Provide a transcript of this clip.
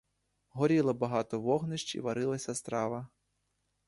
Горіло багато вогнищ і варилася страва.